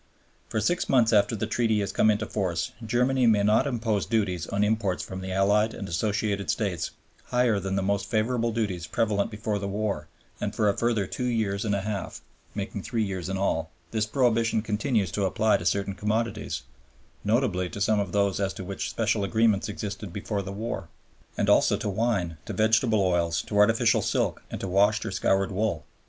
For six months after the Treaty has come into force Germany may not impose duties on imports from the Allied and Associated States higher than the most favorable duties prevalent before the war and for a further two years and a half (making three years in all) this prohibition continues to apply to certain commodities, notably to some of those as to which special agreements existed before the war, and also to wine, to vegetable oils, to artificial silk, and to washed or scoured wool.